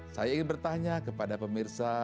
saya ingin bertanya kepada pemirsa